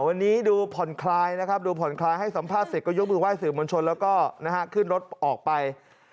วันนี้ดูผ่อนคลายนะครับดูผ่อนคลายให้สัมภาษณ์เสร็จก็ยกมือไห้สื่อมวลชนแล้วก็ขึ้นรถออกไป